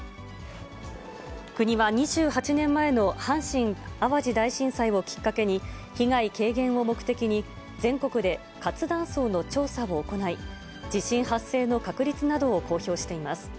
国は２８年前の阪神・淡路大震災をきっかけに、被害軽減を目的に全国で活断層の調査を行い、地震発生の確率などを公表しています。